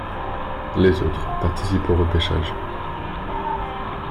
Les autres participent aux repêchages.